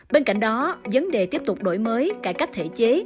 bên cạnh đó vấn đề tiếp tục đổi mới cải cách thể chế